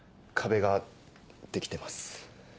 壁ができてます。